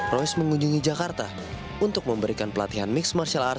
royce mengunjungi jakarta untuk memberikan pelatihan mixed martial art